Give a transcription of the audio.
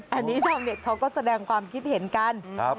อันนี้ชาวเน็ตเขาก็แสดงความคิดเห็นกัน